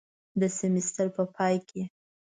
د سیمیستر په پای کې